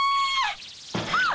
あっ！